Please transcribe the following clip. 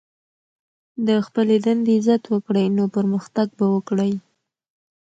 د خپلي دندې عزت وکړئ، نو پرمختګ به وکړئ!